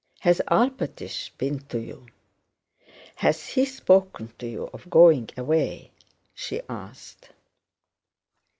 Has Alpátych been to you? Has he spoken to you of going away?" she asked.